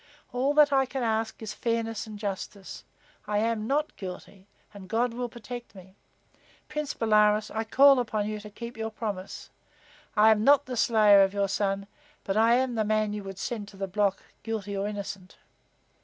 All that I can ask is fairness and justice. I am not guilty, and God will protect me. Prince Bolaroz, I call upon you to keep your promise. I am not the slayer of your son, but I am the man you would send to the block, guilty or innocent."